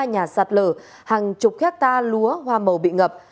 một trăm linh ba nhà sạt lở hàng chục hectare lúa hoa màu bị ngập